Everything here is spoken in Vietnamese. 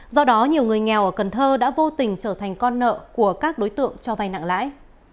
do đó nhiều người nghèo ở cần thơ đã vô tình trở thành con nợ của các đối tượng cho vay nặng lãi